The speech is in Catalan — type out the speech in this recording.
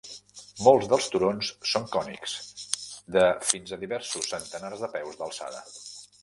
Molts dels turons són cònics de fins a diversos centenars de peus d'alçada.